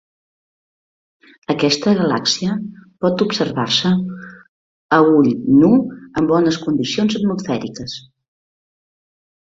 Aquesta galàxia pot observar-se a ull nu en bones condicions atmosfèriques.